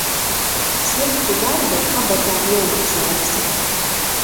Sliktu darbu kabatā nenoslēpsi.